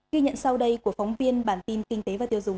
ghi nhận sau đây của phóng viên bản tin kinh tế và tiêu dùng